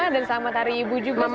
dan selamat hari ibu juga sebetulnya